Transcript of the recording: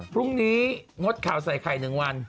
พรุ่งนี้งดข่าวใส่ไข่๑วัน